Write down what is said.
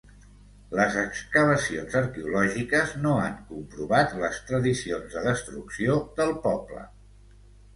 Les excavacions arqueològiques no han comprovat les tradicions de destrucció del poble.